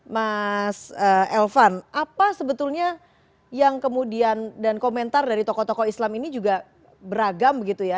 mas elvan apa sebetulnya yang kemudian dan komentar dari tokoh tokoh islam ini juga beragam begitu ya